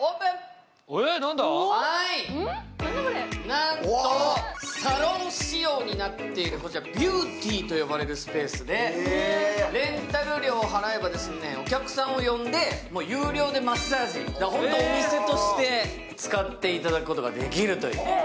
なんとサロン仕様になっているこちらビューティーと呼ばれるスペースで、レンタル料を払えばお客さんを呼んで有料でマッサージ、本当お店として使っていただくことができるという。